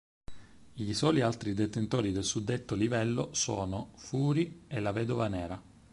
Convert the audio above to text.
I soli altri detentori del suddetto livello sono Fury e la Vedova Nera.